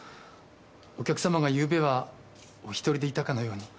お客様がゆうべはお一人でいたかのように。